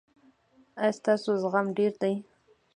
ایا ستاسو زغم ډیر دی؟